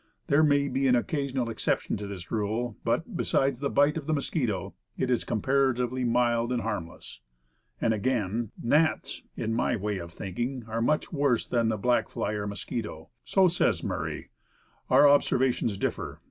There may be an occasional exception to this rule; but beside the bite of the mosquito, it is comparatively mild and harmless." And again: 'Gnats in my way of thinking, are much worse than the black fly or mosquito." So says Murray. Our observations differ.